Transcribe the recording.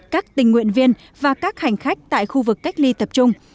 các tình nguyện viên và các hành khách tại khu vực cách ly tập trung